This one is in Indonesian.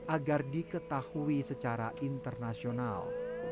agar diketahui secara internasional